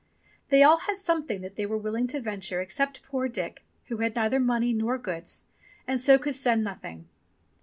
They all had something that they were willing to venture except poor Dick, who had neither money nor goods, and so could send nothing.